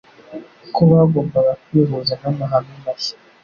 ko bagombaga kwihuza n'amahame mashya: